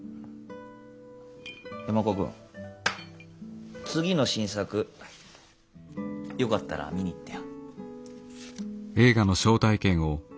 山岡君次の新作よかったら見に行ってよ。